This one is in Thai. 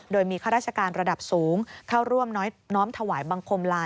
โดยมีข้าราชการระดับสูงเข้าร่วมน้อมถวายบังคมลา